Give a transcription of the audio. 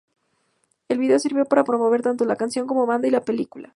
El video sirvió para promover tanto la canción como banda y la película.